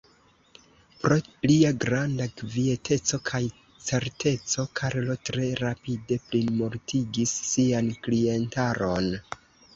Pro lia granda kvieteco kaj certeco, Karlo tre rapide plimultigis sian klientaron.